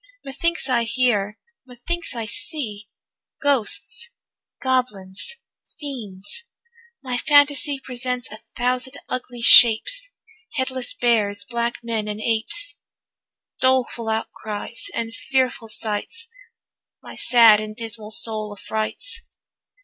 Methinks I hear, methinks I see Ghosts, goblins, fiends; my phantasy Presents a thousand ugly shapes, Headless bears, black men, and apes, Doleful outcries, and fearful sights, My sad and dismal soul affrights.